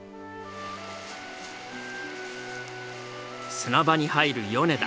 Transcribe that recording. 砂場に入る米田。